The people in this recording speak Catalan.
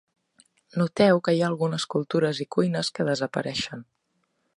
Noteu que hi ha algunes cultures i cuines que desapareixen.